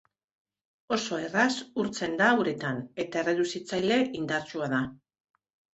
Oso erraz urtzen da uretan eta erreduzitzaile indartsua da.